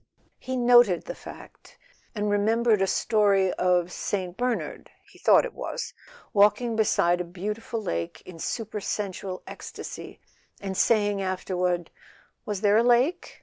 He noted the fact, and remembered a story of St. Bernard—he thought it was—walking beside a beautiful lake in supersensual ecstasy, and saying afterward: "Was there a lake?